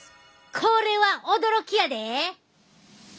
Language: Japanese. これは驚きやで！